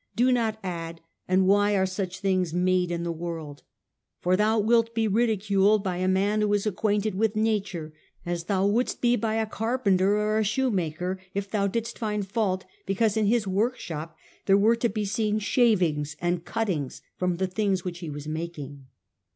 Do . viu. 50. not add. And why were such things made m the world ? For thou wilt be ridiculed by a man who is acquainted with nature, as thou wouldst be by a carpenter or a shoemaker if thou didst find fault be But he cause in his workshop there were to be seen tned to be shavings and cuttings from the things which he was making.